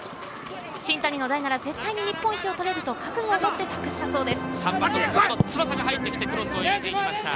新谷の代なら絶対に日本一を取れると覚悟をもって託したそうです。